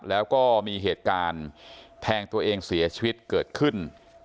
แล้วก็มีเหตุการณ์แทงตัวเองเสียชีวิตเกิดขึ้น